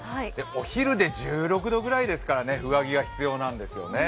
お昼で１６度ぐらいですから上着が必要なんですよね。